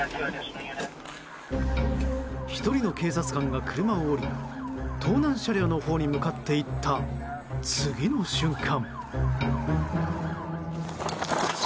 １人の警察官が車を降り盗難車両のほうに向かっていった次の瞬間。